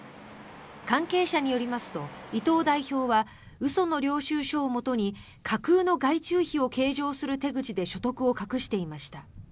関係者によりますと伊藤代表は嘘の領収書をもとに架空の外注費を計上する手口で所得を隠していました。